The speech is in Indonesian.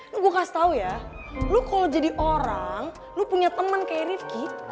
lu gue kasih tau ya lu kalo jadi orang lu punya temen kayak rifki